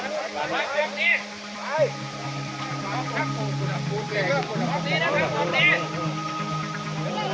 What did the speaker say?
พวกมันกำลังพูดได้